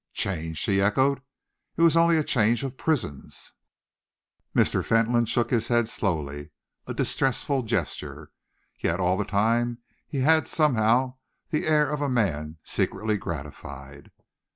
"Change!" she echoed. "It was only a change of prisons." Mr. Fentolin shook his head slowly a distressful gesture. Yet all the time he had somehow the air of a man secretly gratified.